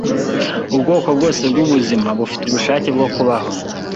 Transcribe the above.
Ubwoko bwose bwubuzima bufite ubushake bwo kubaho.